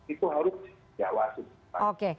itu harus diawasi